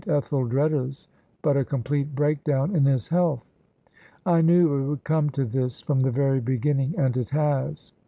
Etheldreda's but a complete breakdown in his health? I knew it would come to this from the very beginning, and it has."